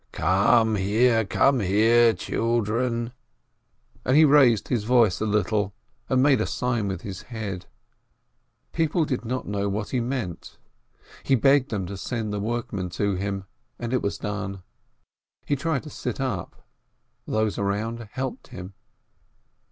"'Come here, come here, children !" and he raised his voice a little, and made a sign with his head. People EEB SHLOIMEH 353 did not know what he meant. He begged them to send the workmen to him, and it was done. He tried to sit up; those around helped him.